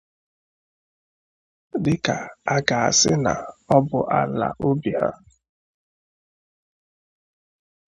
dịkà à gà-asị na ọ bụ ala obi ha.